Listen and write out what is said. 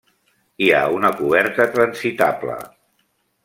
Hi ha una coberta transitable.